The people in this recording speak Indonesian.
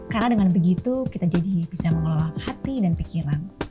karena dengan begitu kita jadi bisa mengelola hati dan pikiran